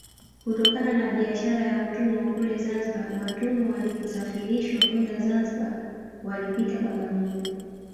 Kutokana na biashara ya utumwa kule Zanzibar watumwa waliposafirishwa kwenda Zanzibar walipitia Bagamoyo